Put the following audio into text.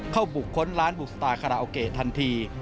เข้าบุคคล้นร้านบุคสตาร์คาราโอเก่ทันที